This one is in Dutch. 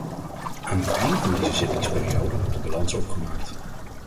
Aan het einde van deze zittingsperiode wordt de balans opgemaakt.